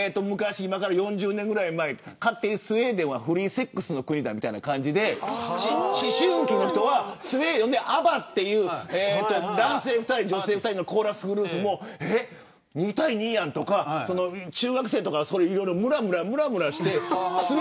４０年ぐらい前勝手にスウェーデンはフリーセックスの国だみたいな感じで思春期の人はＡＢＢＡという男性２人、女性２人のコーラスグループも２対２やんとか中学生とかむらむらして。